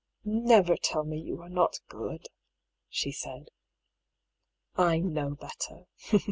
" Never tell me you are not good," she said ;" I know better."